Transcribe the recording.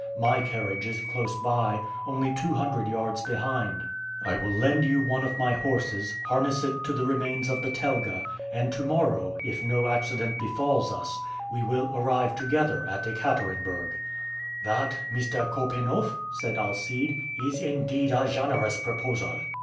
My carriage is close by, only two hundred yards behind. I will lend you one of my horses, harness it to the remains of the telga, and to morrow, if no accident befalls us, we will arrive together at Ekaterenburg." "That, Mr. Korpanoff," said Alcide, "is indeed a generous proposal."